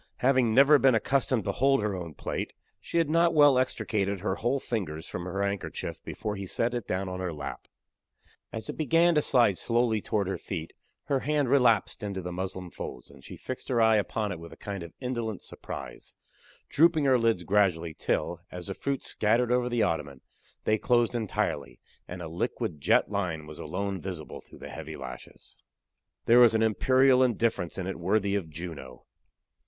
Having never been accustomed to hold her own plate, she had not well extricated her whole fingers from her handkerchief before he set it down in her lap. As it began to slide slowly toward her feet, her hand relapsed into the muslin folds, and she fixed her eye upon it with a kind of indolent surprise, drooping her lids gradually till, as the fruit scattered over the ottoman, they closed entirely, and a liquid jet line was alone visible through the heavy lashes. There was an imperial indifference in it worthy of Juno.